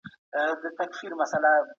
ایا ځايي بزګر بادام اخلي؟